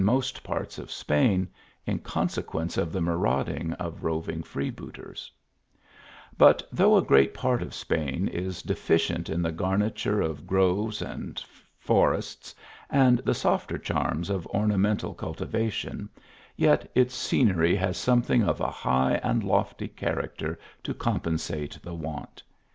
most parts of S}K>in, in consequence of the : of roving freebooters* But though a great part of Spain is deiicu the garnitute of groves and forests, and charms of ornamental cultivation, yet its scenery has something of a high and loity character to compen sate the want.